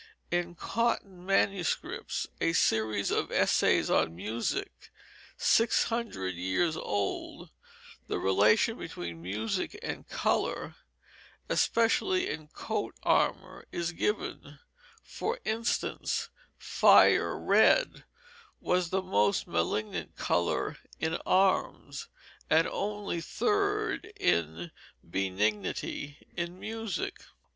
In the Cotton Manuscripts, a series of essays on music six hundred years old, the relation between music and color, especially in coat armor, is given; for instance, "fire red" was the most malignant color in arms, and only third in benignity in music.